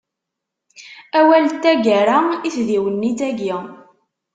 Awal n taggara i tdiwennit-agi.